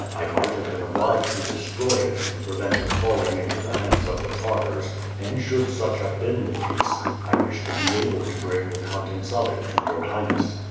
I might have been obliged to destroy it, to prevent its falling into the hands of the Tartars, and should such have been the case, I wished to be able to bring the contents of it to your Highness."